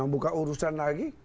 buka urusan lagi